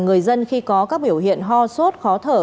người dân khi có các biểu hiện ho sốt khó thở